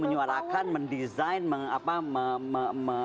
menyuarakan menyerukan people power